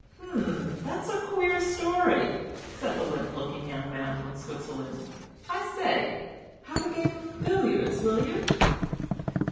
"H'm! that's a queer story," said the limp looking young man from Switzerland. "I say, have a game of billiards, will you?"